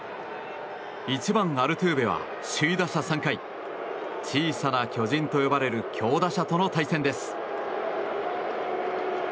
１番、アルトゥーベは首位打者３回小さな巨人と呼ばれる強打者との対戦です。